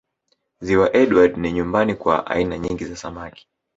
Ziwa Edward ni nyumbani kwa aina ningi za samaki